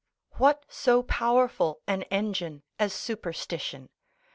What so powerful an engine as superstition?